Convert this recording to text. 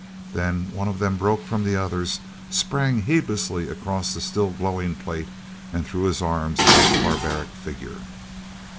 Then one of them broke from the others, sprang heedlessly across the still glowing plate, and threw his arms about the barbaric figure.